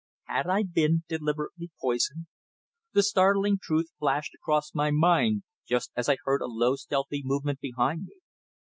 Had I been deliberately poisoned? The startling truth flashed across my mind just as I heard a low stealthy movement behind me.